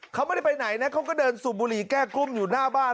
เขาไม่ได้ไปไหนนะเขาก็เดินสูบบุหรี่แก้กุ้มอยู่หน้าบ้าน